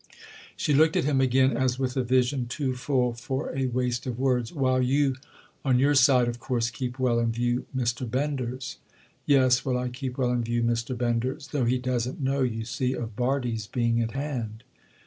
She looked at him again as with a vision too full for a waste of words. "While you on your side of course keep well in view Mr. Bender's." "Yes, while I keep well in view Mr. Bender's; though he doesn't know, you see, of Bardi's being at hand."